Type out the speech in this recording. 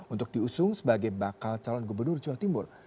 untuk diusung sebagai bakal calon gubernur jawa timur